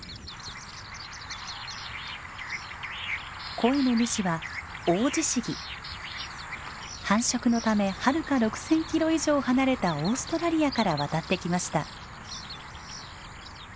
声の主は繁殖のためはるか６，０００キロ以上離れたオーストラリアから渡ってきました。